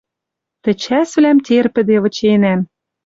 Тӹ чӓсвлӓм терпӹде выченӓм.